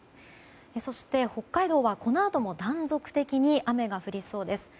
そして、北海道はこのあとも断続的に雨が降りそうです。